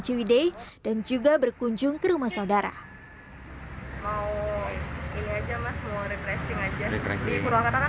ciwidei dan juga berkunjung ke rumah saudara mau ini aja mas mau refreshing aja di purwakarta kan